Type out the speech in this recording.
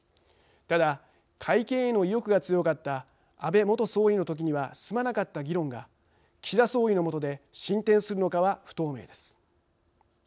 ただ、改憲への意欲が強かった安倍元総理のときには進まなかった議論が岸田総理のもとで進展するのかは不透明です。